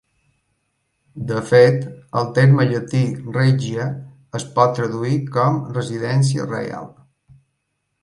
De fet, el terme llatí "regia" es pot traduir com "residència reial".